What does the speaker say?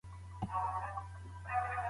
تاسي په پښتو کي د حماسي شعرونو مینه وال یاست؟